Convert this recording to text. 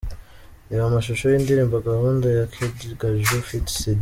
Reba amashusho y'indirimbo 'Gahunda' ya Kid Gaju ft Cindy.